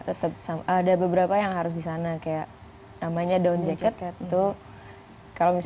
tetap ada beberapa yang harus di sana kayak namanya down jacket itu kalau misalnya